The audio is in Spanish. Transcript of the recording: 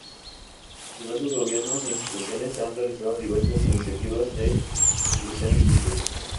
Diversos gobiernos e instituciones han realizado diversas iniciativas de inclusión digital.